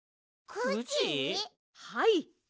はい。